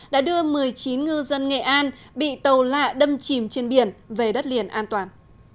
đã đưa một mươi chín ngư dân nghệ an bị tàu lạ đâm chìm trên biển về đất liền an toàn